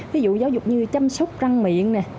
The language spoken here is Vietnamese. ví dụ giáo dục như chăm sóc răng miệng